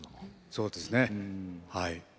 そうですねはい。